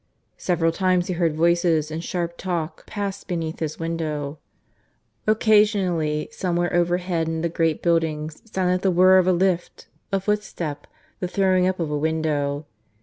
Several times he heard voices in sharp talk pass beneath his window. Occasionally somewhere overhead in the great buildings sounded the whir of a lift, a footstep, the throwing up of a window.